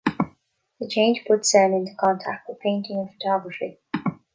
The change put Sen into contact with painting and photography.